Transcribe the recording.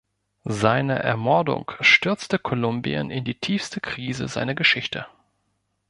Seine Ermordung stürzte Kolumbien in die tiefste Krise seiner Geschichte.